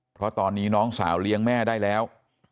เพราะตอนนี้น้องสาวเลี้ยงแม่ได้แล้ว